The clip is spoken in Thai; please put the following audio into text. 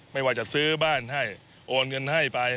ไม่ว่าจะซื้อบ้านให้โอนเงินให้ไป